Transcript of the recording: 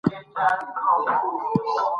ساعت به بیا هم په ډېرې ارامۍ ټکا کوي.